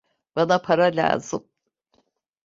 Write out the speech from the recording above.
Bana para lazım.